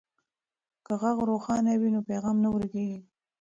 که غږ روښانه وي نو پیغام نه ورکیږي.